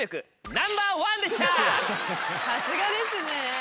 さすがですね！